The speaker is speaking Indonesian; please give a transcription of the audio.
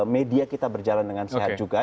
media kita berjalan dengan sehat juga